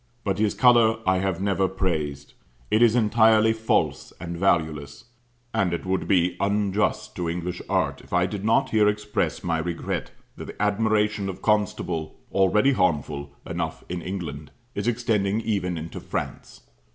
But his colour I have never praised; it is entirely false and valueless. And it would tie unjust to English art if I did not here express my regret that the admiration of Constable, already harmful enough in England, is extending even into France.